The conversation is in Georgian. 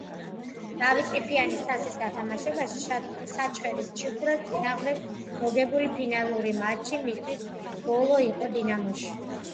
დავით ყიფიანის თასის გათამაშებაში საჩხერის „ჩიხურას“ წინააღმდეგ მოგებული ფინალური მატჩი მისთვის ბოლო იყო „დინამოში“.